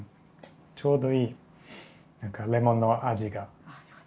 ちょうどいい何かレモンの味が。